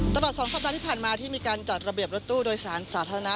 ตลอด๒สัปดาห์ที่ผ่านมาที่มีการจัดระเบียบรถตู้โดยสารสาธารณะ